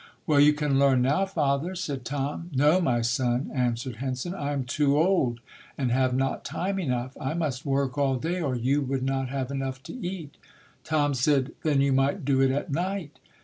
"Well, you can learn now, Father", said Tom. "No, my son", answered Henson. "I am too old and have not time enough. I must work all day or you would not have enough to eat." Tom said, "Then you might do it at night".